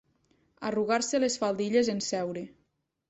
Arrugar-se les faldilles en seure.